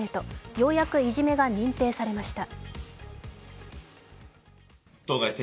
ようやくいじめが認定されました。